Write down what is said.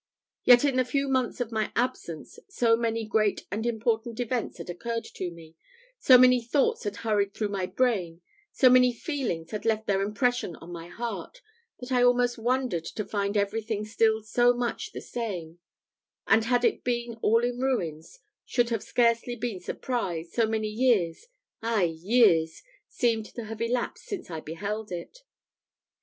Yet in the few months of my absence so many great and important events had occurred to me, so many thoughts had hurried through my brain, so many feelings had left their impression on my heart, that I almost wondered to find everything still so much the same; and had it been all in ruins, should have scarcely been surprised, so many years ay, years! seemed to have elapsed since I beheld it.